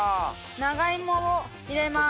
長芋を入れます。